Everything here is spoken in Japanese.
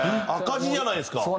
赤字じゃないですか。